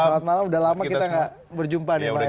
selamat malam sudah lama kita tidak berjumpa nih bang eriko